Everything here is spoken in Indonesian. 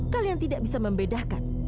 kalian tidak bisa membedakan